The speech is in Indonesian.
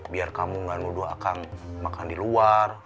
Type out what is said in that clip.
biar kamu nggak nuduh akang makan di luar